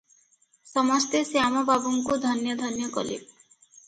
ସମସ୍ତେ ଶ୍ୟାମ ବାବୁଙ୍କୁ ଧନ୍ୟ ଧନ୍ୟ କଲେ ।